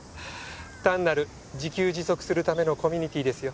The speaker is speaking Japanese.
単なる自給自足するためのコミュニティーですよ。